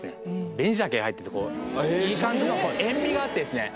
紅シャケが入ってていい感じの塩味があってですね